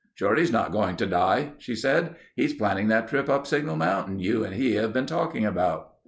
"Shorty's not going to die," she said. "He's planning that trip up Signal Mountain you and he have been talking about."